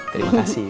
terima kasih ibu